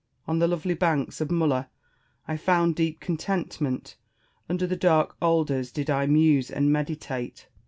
On the lovely banks of Mulla I found deep contentment. Under the dark alders did I muse and meditate.